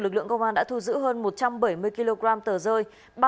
lực lượng công an đã thu giữ hơn một trăm bảy mươi kg tờ rơi